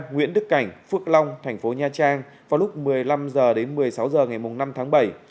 một mươi ba nguyễn đức cảnh phước long tp nha trang vào lúc một mươi năm h một mươi sáu h ngày năm bảy